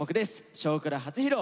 「少クラ」初披露。